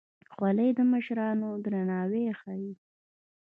خولۍ د مشرانو درناوی ښيي.